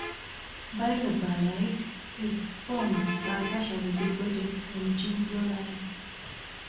Bilobalide is formed by partially degraded from ginkgoglide.